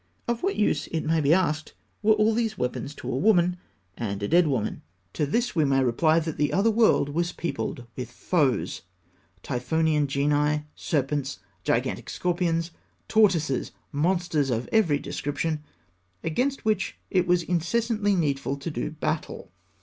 Of what use, it may be asked, were all these weapons to a woman and a dead woman? To this we may reply that the other world was peopled with foes Typhonian genii, serpents, gigantic scorpions, tortoises, monsters of every description against which it was incessantly needful to do battle.